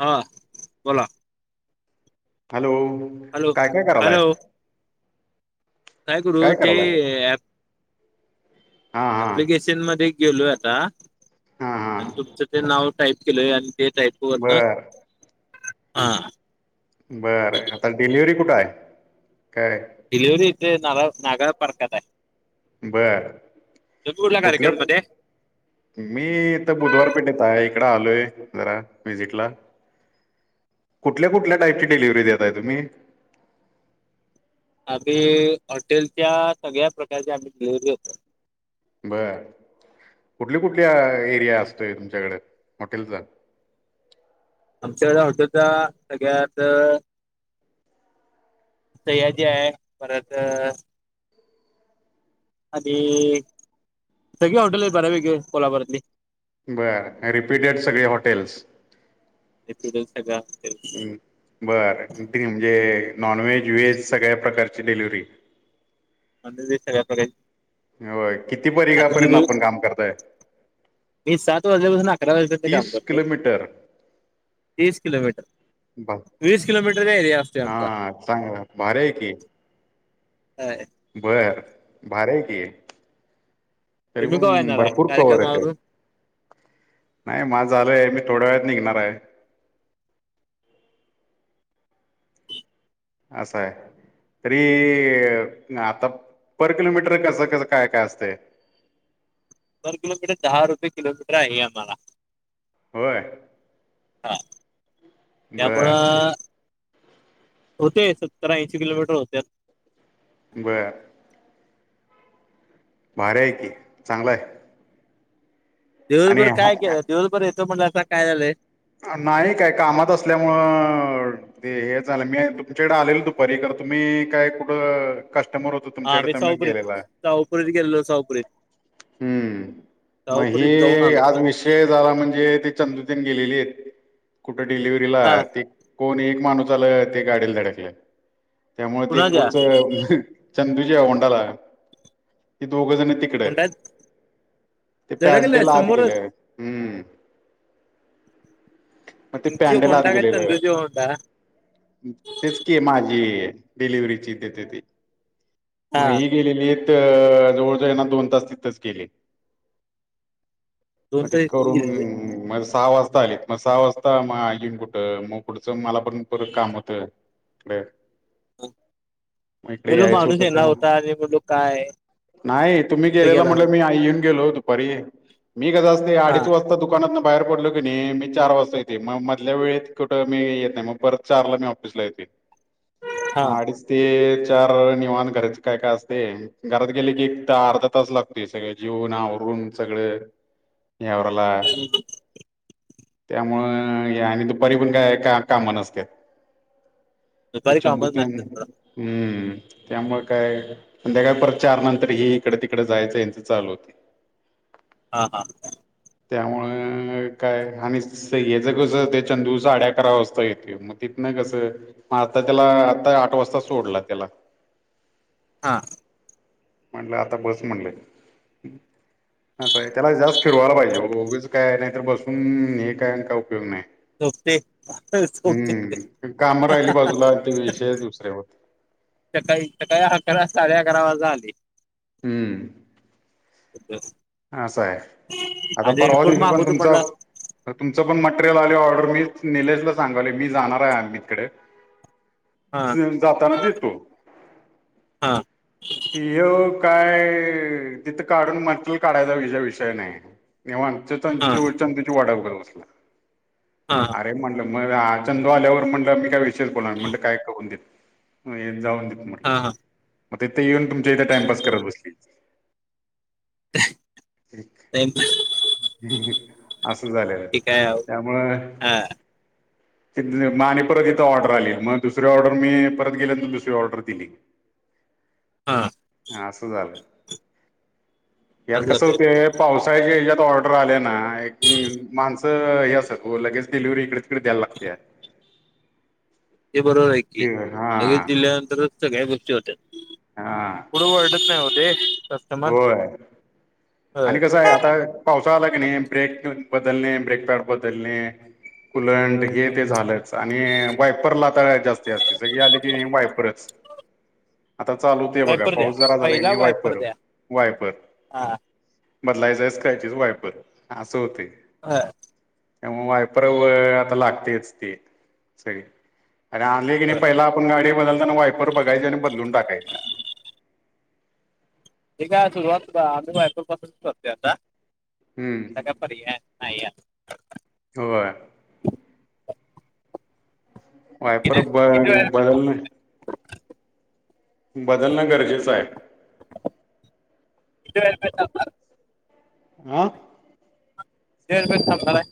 हा, बोला. Hello! Hello काय-काय करायलाय? हॅलो करू काय ते करायलाय? हां हां ॲप्लिकेशन मध्ये गेलोय आता, हां आणि हां तुमचा ते नाव टाईप केलय आजू बर [unintelligible] बरं, आता डिलिव्हरी कुठेय? डिलिव्हरी येथे ना नागाव तारका ला. बरं - कुठल्या? मी तर बुधवारपेठेत आहे. इकड आलोय, जरा विझिटला. कुठल्या- कुठल्या टाईपची डिलिव्हरी देताय? तुम्ही आम्ही हॉटेलच्या, सगळ्या प्रकारच्या आम्ही डिलव्हरी देतो. बर - कुठली, कुठल्या एरिया असतोय? तुमच्याकडे हॉटेलचा. आमच्याकडे हॉटेलचा सगळ्यात, अ... सयाजी आहे. परत अ... आणि सगळी हाॅटेल आहेत बर्यापैकी बरं. रिपीटेड सगळी हॉटेल्स. येथील सगळ्या हॉटेल बर, ती म्हणजे - नॉन व्हेज- व्हेज सगळ्या प्रकारची डिलिव्हरी. [unintelligible] आता [unintelligible] मी सात वाजल्यापासून, अकरा वाजेपर्यंत काम तीस करतो. किलोमीटर तीस किलोमीटर. बा वीस किलोमीटर चा एरिया असते आमचा. हा चांगला भारी आहे की ह.. बर बारय की. तुम्ही कवा तरीपण येणार आहे भरपूर कव्हर होत. कार्यक्रमावरून? नाही माझ झालंय मी थोड्या वेळात निघणार आहे. असं आहे. तरी आता पर किलोमीटर कसं कस काय काय असतंय. पर किलोमीटर दहा रुपये किलोमीटर आहे आम्हाला. होय. हा त्यापं.. बर होते सत्तर, ऐंशी किलोमीटर होते. बर. भारी आहे की चांगलंय दिवसभर काय की दिवसभर येतो पण आता काय झालंय. नाही काय कामात असल्यामुळ ते हे झालं मी तुमच्याकडे आलेलो दुपारी कार... तुम्ही काय कुढ अ... समोर होतो हा तुमच्याकड आम्ही तर म शाहूपुरीत गेलेलाय. शाहूपुरीत गेलेलो शाहूपुरीत हम्म, मग शाहूपुरीत जाऊन हे आलो मी. आज विषय झाला म्हणजे ते चंदु... पण गेलेली हे कुठे डिलिव्हरीला हा ते.. कोण एक माणूस आलं ते गाडीला धडकलं त्यामुळे ते कुणाच्या? पुढचं हम.. चंदुजीवंडला. दोघ जण तिकडे होंडा ते धडकले पॅंडे ला आत समोरच गेले, हम्म. मग ते तुमची पॅंडल आत होंडा काय गेलेलं चंदूची होंडा तेच की माझी.. डिलिव्हरीची तथेते हा मग ही गेलेली य... अ जवळ जाईना दोन तास तिथच गेले. दोन मग ते तर इथेच करून गेलेले. म सहा वाज... आली मग सहा वाजता मग आजिन कुठं मग पुुढचं मला पण परत काम होतं. [inaudible] मग इकडे पलो यायचं माणूस होतं येना त्यामुळं होता आणि मी म्हणलो काय. नाही तुम्ही कुठे गेलेला गेला? म्हटलं मी आ येऊन गेलोत.. परी मी कसा असते हा अडीच वाजता दुकानातन बाहेर पडलो.. मी कनी मी चार वाजता येते मग मधल्या वेळेत कुठं मी येत नाही मग परत चारला मी ऑफिसला येते. हा मग आडिच ते.. तर निवान घरच काय काय असते घरात गेले की एक त अर्धा तास लागते सगळे जेवून आवरुन... पण सगळे.. [inaudible] यावरला.. त्यामुळं हे आणि दुपारी पण काय का कामा नसत्या त. हे दुपारी कामच चंदुकन, नसतात सोडा. हम्म. त्यामुळे काय संध्याकाळ परत चार नंतर हे इकड तिकड जायचं याचं चालू होते. हा हा. त्यामुळं अं.. काय आणि स्यच कस ते चंदू साडे करावास्था येते मग तिथन कसं आता... त्याला आता आठ वाजता सोडला त्याला. हा. म्हलं आता बस म्हणले. असं आहे त्याला जास्त फिरवायला पाहिजे उगेच काय नाही तर बसून हे काय का उपयोग नाही. झोपते झोपते हम्म, काम राहिली बाजूला ते विशय दुसऱ्यावर. सकाळी सकाळी आकरा साडे आकरा वाजता आली. हमं. असा आहे आता आणि परवा रेनकोट दिवशी पण मागवतो तुमच म्हणला तुमचं पण मटेरियल आले ऑर्डर मी निलेशला सांगाले मी जाणार आहे अमित कड हा जाताना देतो हा त काय तिथं काढून मट काढायचा विझ विषय नाही हा चंदू ची वाट बघत बसले हा अरे म्हटलं मी मग चंद आल्यावर म्हंलं मी काय विषय बोला म्हट काय करून दे जाऊन देत म्हटलं हा हा मग तिथे येऊन तुमच्या इथे टाइमपास करत बसली एकिक असं झालेलं ठीक आहे त्यामुळं हा आणि परत इथ ऑर्डर आली मग दुसरी ऑर्डर मी परत गेल्यानंतर दुसरी ऑर्डर दिली हा हा असं झालंय यात कसं होतंय पावसाळ्याच्या ह्याच्यात ऑर्डर आल्या ना माणस स हे असतेत ओ, लगेच डिलिव्हरी इकडे तिकडे द्यायला लागते. ते बरोबर आहे की, हा लगेच दिल्यानंतरच सगळ्या गोष्टी होत्यात. हा पुढं वरडत नाही हो ते. होय, आणि कसंय आता पावसा आला की नाही ब्रेक बदलणे, ब्रेकपॅड बदलणे कुलंट हे ते झालंच आणि वायपरला आता जास्ती असते सगळी आले की नाही वायपरच [inaudible] आता चालू होतंय बघा, वायपर द्या पाऊस जरा झाला की पहिला नाही वायपर द्या वायपर, हा बदलायचा काय तिच वायपर असं होतंय. हा त्यामुळे वायपर अ आता लागतयच ते सगळे आणि आणले की नाही होय पहिला आपण गाडी बदलताना वायपर बघायची आणि बदलून टाकायचे. ते काय सुरवात आम्ही वायपर पासूनच करतोय आता. त्या काय हम्म पर्याय नाय या होय किती वायपर ब किती वेळ किती बदलले बदलणं गरजेचं आहे. [unintelligible] आ? किती वेळ थांबणार?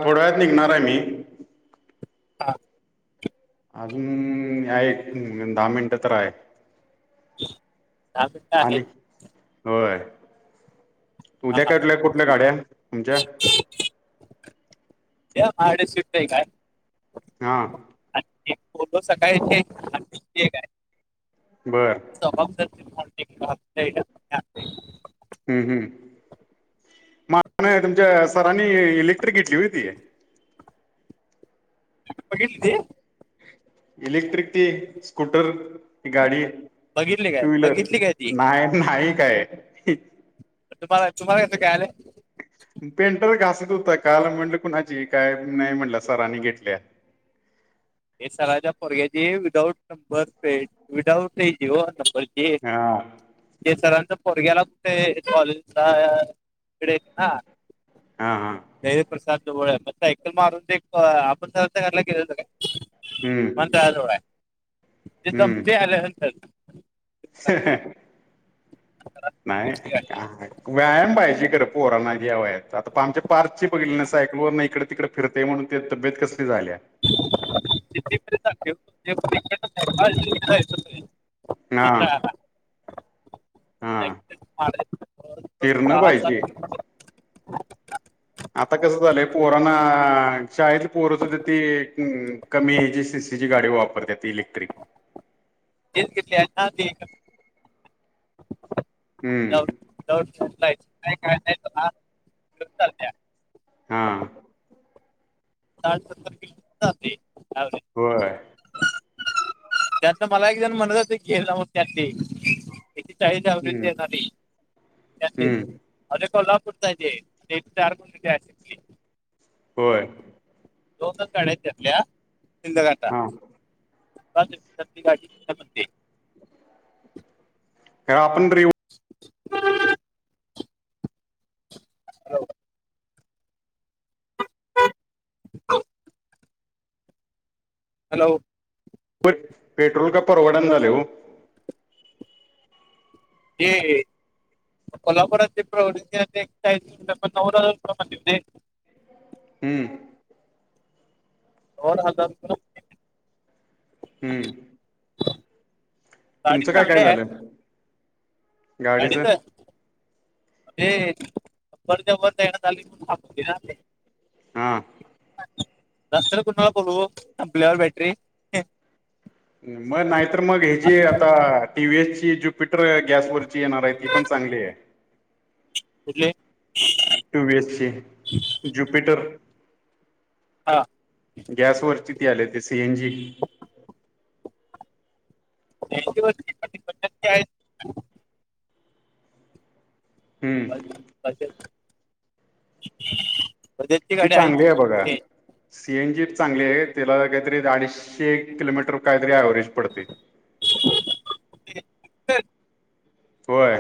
थोड्यावेळात निघणार आहे मी. हा. अजून आहे एक दहा मिनटं तर आहे. दहा मिनटं आहे? आणि होय. हा उद्या हा काढल्या कुठल्या गाड्या तुमच्या? उद्या माज्याकडं स्विफ्ट एक आहे. हा [unintelligible] बरं [unintelligible] हम्म हम्म [unintelligible] तुमच्या सरांनी इलेक्ट्रिक घेतली होय ती? बघितली? इलेक्ट्रिक ती, स्कूटर गाडी बघितली काय टू व्हीलर, बघितली काय ती नाही नाही काय तुम्हाला तुम्हाला कसं कळालं? [unintelligible] कळालं म्हणलं कुणाची काय नाय म्हणला सरांनी घेतल्या. हे सराच्या पोरग्याची, विदाउट नंबर प्लेट विदाउट ए जीओ नंबर ये हा ये सर पोरग्याला कुठे कॉलेजला इकडे य ना हा हा जे वी प्रसाद जवळ आहे, सायकल मारून ते आपण सरांच्या घराला गेलेलो का? हम्म हम्म [unintelligible] [unintelligible] नाही, व्यायाम पाहिजे खरं पोरांना या वयात आता आमच्या पार्थची बघितली ना सायकलवर नाही इकडे तिकडे फिरतेय म्हणून ते तब्येत कस झाल्या. [unintelligible] ना हा, फिरणं पाहिजे. आता कसं झालंय पोराना शाळेतली पोर सुध्दा ती कमी ह्याची हेजी गाडी वापरतात इलेक्ट्रिक. [inaudible] दे ते त्यांना दे. [inaudible] जाऊ हम्म दे जाऊ सांगतायेत नाही काय नाही बघा [unintelligible] हां साठ, सत्तर किलो मीटर जाते. होय. त्यातलं मला एक जण म्हणत होत की हेन होत्यात की इथं आहेत दहावीत हम्म देणारी त्यातील हम्म अरे कोल्हा कुठं जे त्याचे चार गुंठा द्याचे हाईत की. होय. दोनच गाड्या त्यातल्या शिंदे हां घाटात सकाळच्यान तसली गाडी तीथेच होती. का आपण तरी [inaudible] होय, होय. [inaudible] हॅलो. प पेट्रोल काय परवडना झाले ओ. ते हे. कोल्हापुरात ते प्रोजेक्ट केल्यात ते [unintelligible] ते. हम्म. होन आता [inaudible] हम्म. [inaudible] गाडी तुमचं काय काय चांगली आहे झालं [inaudible] गाडीचं ए पण जमत नाही ना खाली थांब तेला दे. हा. रस्तावर कुणाला बोलवु संपल्यावर बॅटरी मग नाहीतर मग हे जी असं आहे आता टीव्हीएसची ज्युपिटर गॅसवरची येणार आहे ती पण चांगली आहे. कुठली? टि व्ही एस ची जुपिटर हा [inaudible] गॅसवर ची ती आल्या ती सी एन जी ऐंशी वर्षांची [unintelligible] हम्म [unintelligible] ती चांगली आहे बघा सी एन जीत चांगली आहे तिला काहीतरी अडीचशे किलोमीटर काहीतरी अव्हरेज पडते. [inaudible] [unintelligible] होय.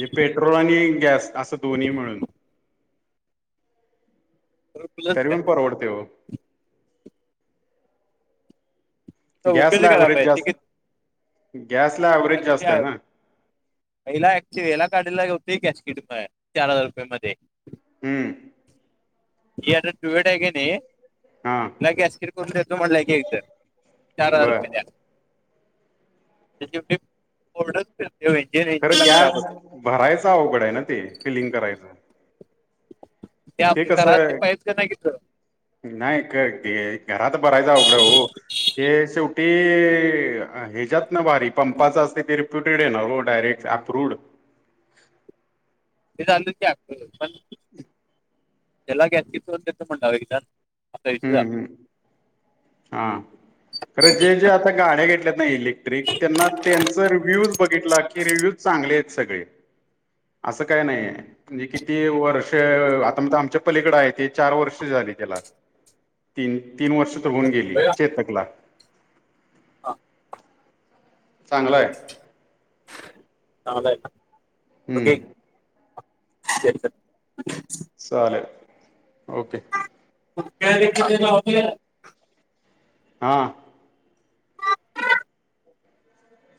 हे पेट्रोल आणि गॅस असं दोन्ही मिळून. [inaudible] प्लस तरी पण घ्यायचं परवडते हो. तो उपयोग तर गॅसला कराय ॲव्हरेज पाहिजे जास्त टिकीट गॅसला [inaudible] अ ॲव्हरेज किती जास्त आहे. ना हेला ऍक्चुली हेला गाडीला होतय गॅसकीट फायर काय चार हजार रुपये मध्ये. हम्म. ही अता डुएट हाय कणी हा हिथंन गॅसकिट करून देतो म्हटल्या इथं की एकट चार हजार बर रुपये द्या. [unintelligible] ते शेवटी तेवढंच तेल. खरं गॅस भरायचा अवघड आहे ना ते फिलिंग करायचं. त्या ते पण दरात ते कसं पाहिजे का नाय तिथ. नाही काय ते घरात भरायचं उवघड हो ते शेव ते. [inaudible] ते अ हेज्यातन भारी पंपाच असते ते रिप्युटेड येणार ओ आहे ना ओ डायरेक्ट अपरूड ते कायमचच आसतय पण हम् त्याला गॅसकीट कोणत्या कंपनीच आहे इथं... असा ईश्यू हम्म हम्म हा खरं जे जे आता गाड्या घेतल्यात ना इलेक्ट्रिक त्यांना त्यांचं रिव्ह्यूज बघितला की रिव्ह्यूज चांगले आहेत सगळे असं काय नाहीय म्हणजे किती वर्ष आता ईथ आमच्या पलीकडं आहे ते चार वर्ष झाली तेला तीन तीन वर्ष तर होऊन गेली चेतकला हा चांगलं हाय अन मग हम्म आखेर तक चालेल ओके उत्यानं घेतली होती ना आपल्या हा